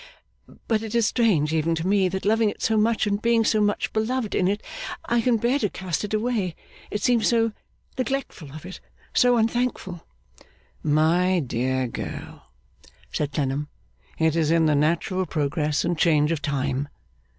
But it is strange, even to me, that loving it so much and being so much beloved in it, I can bear to cast it away. It seems so neglectful of it, so unthankful.' 'My dear girl,' said Clennam, 'it is in the natural progress and change of time.